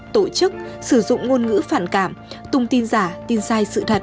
tổ chức sử dụng ngôn ngữ phản cảm thông tin giả tin sai sự thật